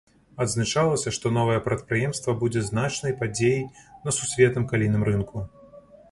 Адзначалася, што новае прадпрыемства будзе значнай падзеяй на сусветным калійным рынку.